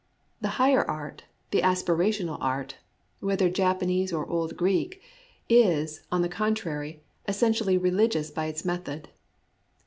The higher art, the aspirational art (whether Japanese or old Greek), is, on the contrary, essentially religious by its method.